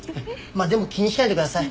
でも気にしないでください。